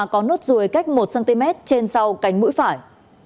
có nốt ruồi cách một cm trên sau cánh mũi phải